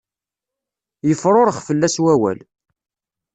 Yefrurex fell-as wawal.